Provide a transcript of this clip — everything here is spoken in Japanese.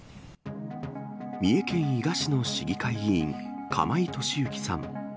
三重県伊賀市の市議会議員、釜井敏行さん。